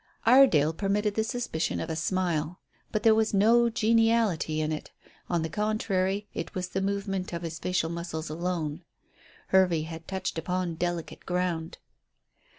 Iredale permitted the suspicion of a smile. But there was no geniality in it; on the contrary, it was the movement of his facial muscles alone. Hervey had touched upon delicate ground.